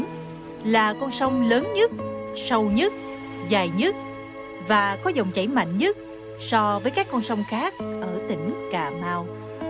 sông là con sông lớn nhất sâu nhất dài nhất và có dòng chảy mạnh nhất so với các con sông khác ở tỉnh cà mau